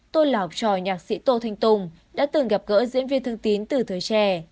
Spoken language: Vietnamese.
tôi là học trò nhạc sĩ tô thanh tùng đã từng gặp gỡ diễn viên thương tín từ thời trẻ